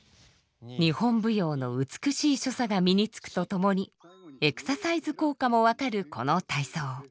日本舞踊の美しい所作が身につくとともにエクササイズ効果も分かるこの体操。